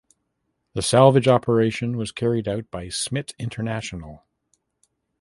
The salvage operation was carried out by Smit International.